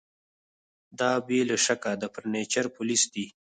دا بې له شکه د فرنیچر پولیس دي